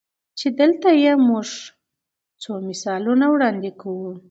چې دلته ئې مونږ څو مثالونه وړاندې کوو-